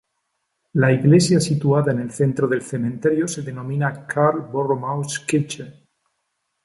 La iglesia situada en el centro del cementerio se denomina "Karl-Borromäus-Kirche".